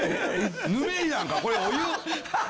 ヌメリなんかこれお湯。